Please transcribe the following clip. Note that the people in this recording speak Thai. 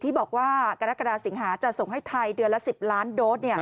ที่บอกว่ากรกฎาสิงหาจะส่งให้ไทยเดือนละ๑๐ล้านโดส